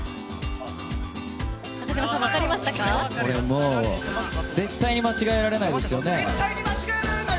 これ、もう絶対に間違えられないですよね。